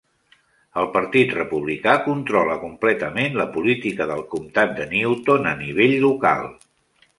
El Partit Republicà controla completament la política del comtat de Newton a nivell local.